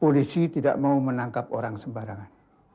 polisi tidak mau menangkap orang sembarangan